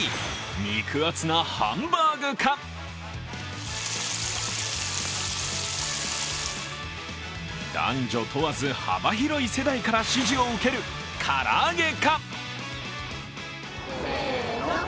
肉厚なハンバーグか男女問わず幅広い世代から支持を受けるから揚げか。